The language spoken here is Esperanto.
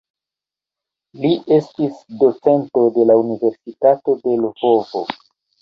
Li estis docento de la Universitato de Lvovo.